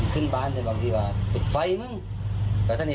ใจ